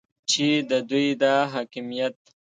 چې د دوی دا حاکمیت